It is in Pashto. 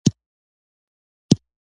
وايي ټول شراب چښي.